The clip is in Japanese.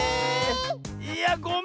⁉いやごめん。